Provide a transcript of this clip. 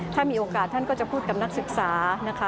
ถ้ามีโอกาสท่านก็จะพูดกับนักศึกษานะคะ